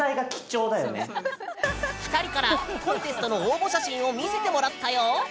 ２人からコンテストの応募写真を見せてもらったよ。